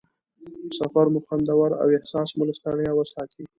سفر مو خوندور او احساس مو له ستړیا وساتي.